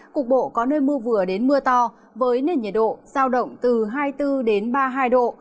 cục bộ có nơi mưa vừa đến mưa to với nền nhiệt độ giao động từ hai mươi bốn đến ba mươi hai độ